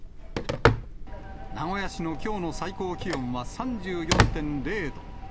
名古屋市のきょうの最高気温は３４．０度。